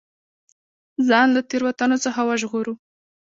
ځان له تېروتنو څخه وژغورو.